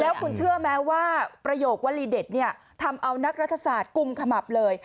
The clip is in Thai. แล้วคุณเชื่อไหมว่าประโยควรีเด็ดเนี่ยทำเอานักรัฐศาสตร์กุมขมับเลย